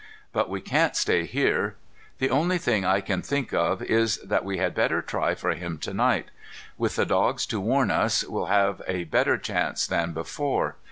But we can't stay here. The only thing I can think of is that we had better try for him to night. With the dogs to warn us, we'll have a better chance than before.